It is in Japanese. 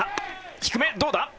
低め、どうだ？